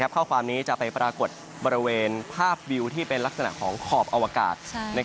ข้อความนี้จะไปปรากฏบริเวณภาพวิวที่เป็นลักษณะของขอบอวกาศ